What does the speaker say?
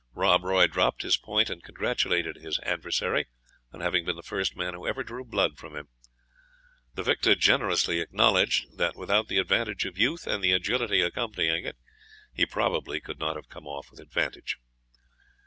Rob Roy dropped his point, and congratulated his adversary on having been the first man who ever drew blood from him. The victor generously acknowledged, that without the advantage of youth, and the agility accompanying it, he probably could not have come off with advantage.